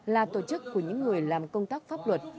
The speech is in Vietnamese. là tổ chức của những người làm công tác pháp luật